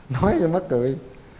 nói cho nó cười